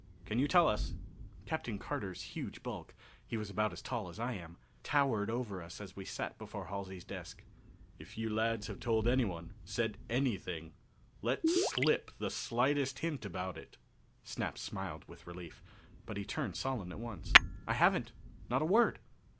Can you tell us?" Captain Carter's huge bulk he was about as tall as I am towered over us as we sat before Halsey's desk. "If you lads have told anyone said anything let slip the slightest hint about it...." Snap smiled with relief; but he turned solemn at once. "I haven't. Not a word!"